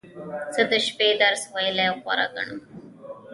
زه د شپې درس ویل غوره ګڼم.